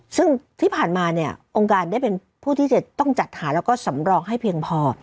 ซึ่งที่ผ่านมาเนี่ยองค์การได้เป็นผู้ที่จะต้องจัดหาแล้วก็สำรองให้เพียงพอ